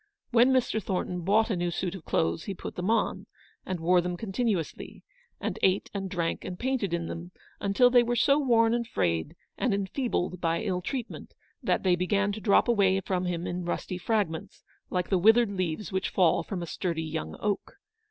When Mr. Thornton bought a new suit of clothes he put them on, and wore them con tinuously; and ate and drank and painted in them until they were so worn and frayed, and enfeebled by ill treatment, that they began to drop away from him in rusty fragments like the withered leaves which fall from a sturdy young oak.